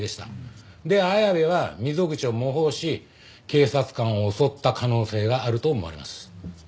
で綾部は溝口を模倣し警察官を襲った可能性があると思われます。